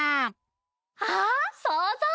あっそうぞう！